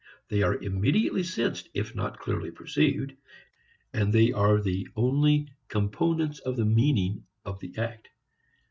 They are immediately sensed if not clearly perceived; and they are the only components of the meaning of the act.